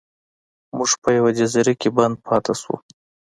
موږ په یوه جزیره کې بند پاتې شو.